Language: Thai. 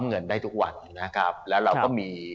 เงินได้ทุกวันนะครับแล้วเราก็มี